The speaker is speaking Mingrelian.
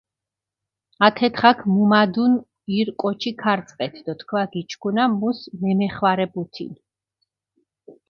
ათე დღაქ მუმადუნ ირ კოჩი ქარწყეთ დო თქვა გიჩქუნა, მუს მემეხვარებუთინ.